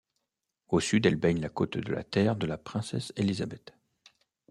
Au sud, elle baigne la côte de la Terre de la Princesse-Elisabeth.